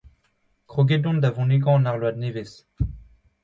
Kroget on da vonegañ an arload nevez.